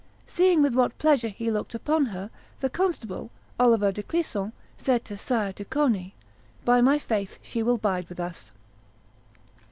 Seeing with what pleasure he looked upon her, the constable, Oliver de Clisson, said to Sire De Coney, "By my faith, she will bide with us."